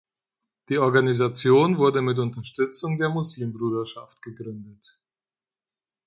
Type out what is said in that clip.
Die Organisation wurde mit Unterstützung der Muslimbruderschaft gegründet.